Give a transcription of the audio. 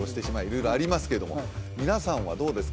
色々ありますけども皆さんはどうですか？